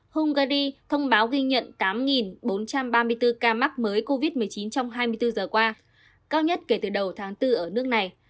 hungary thông báo ghi nhận tám bốn trăm ba mươi bốn ca mắc mới covid một mươi chín trong hai mươi bốn giờ qua cao nhất kể từ đầu tháng bốn ở nước này